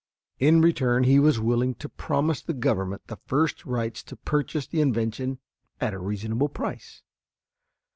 In return he was willing to promise the Government the first rights to purchase the invention at a reasonable price.